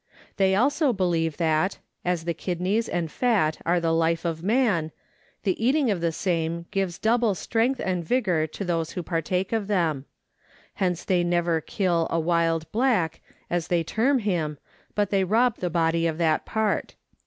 They also believe that, as the kidneys and fat are the life of man, the eating of the same gives double strength and vigour to those who partake of them ; hence they never kill a " wild black," as they term him, but they rob the body of that part.